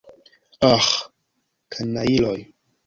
Aĥ, kanajloj!